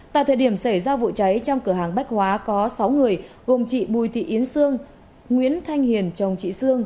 tại thời điểm xảy ra vụ cháy trong cửa hàng bách hóa có sáu người gồm chị bùi thị yến sương nguyễn thanh hiền chồng chị sương